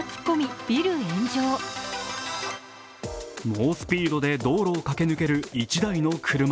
猛スピードで道路を駆け抜ける１台の車。